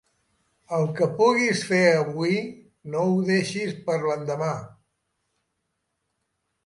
El que puguis fer avui no ho deixis per a l'endemà!